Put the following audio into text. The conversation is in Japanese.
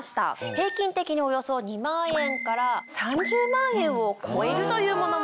平均的におよそ２万円から３０万円を超えるというものも。